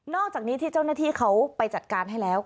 อกจากนี้ที่เจ้าหน้าที่เขาไปจัดการให้แล้ว